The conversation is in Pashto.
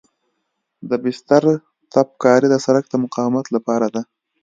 د بستر تپک کاري د سرک د مقاومت لپاره ده